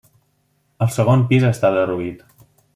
El segon pis està derruït.